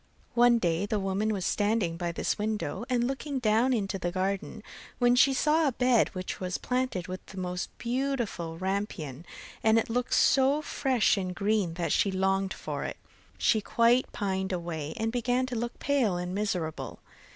One day the woman was standing by this window and looking down into the garden, when she saw a bed which was planted with the most beautiful rampion (rapunzel), and it looked so fresh and green that she longed for it, she quite pined away, and began to look pale and miserable.